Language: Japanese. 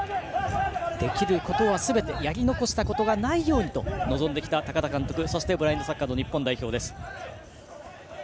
できることはすべてやり残したことがないようにと臨んできた高田監督とブラインドサッカーの日本代表です。